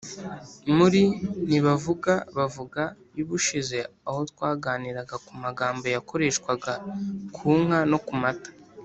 Muri Ntibavuga Bavuga y’ubushize aho twaganiraga ku magambo yakoreshwaga ku nka no ku mata